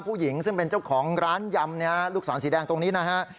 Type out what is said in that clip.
ผู้หญิงซึ่งเป็นเจ้าของร้านยำลูกศรสีแดงตรงนี้นะฮะ